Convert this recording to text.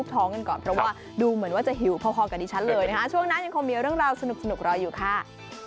แต่ว่าเดี๋ยวช่วงนี้พักกันก่อน